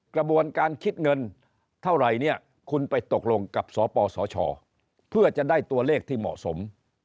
กระบวนการคิดเงินเท่าไหร่เนี่ยคุณไปตกลงกับสปสชเพื่อจะได้ตัวเลขที่เหมาะสม